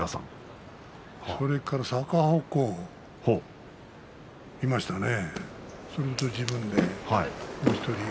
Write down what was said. それから逆鉾もいましたね。